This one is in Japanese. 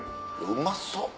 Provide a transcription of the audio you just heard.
うまそっ。